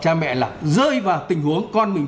cha mẹ là rơi vào tình huống con mình